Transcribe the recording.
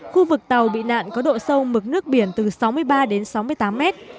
khu vực tàu bị nạn có độ sâu mực nước biển từ sáu mươi ba đến sáu mươi tám mét